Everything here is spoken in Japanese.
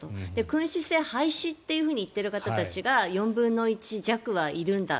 君主制廃止と言っている方たちが４分の１弱はいるんだ。